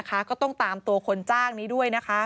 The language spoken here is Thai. ก็ต้องตามตัวคนจ้างนี้ด้วยนะคะ